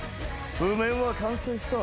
譜面は完成した。